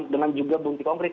dengan juga bunti konkret